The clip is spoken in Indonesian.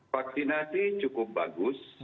vaksinasi cukup bagus